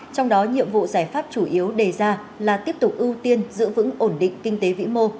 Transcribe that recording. trong đó nhiệm vụ giải pháp chủ yếu đề ra là tiếp tục ưu tiên giữ vững ổn định kinh tế vĩ mô